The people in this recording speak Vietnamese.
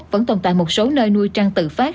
vẫn tồn tại một số nơi nuôi trang tự phát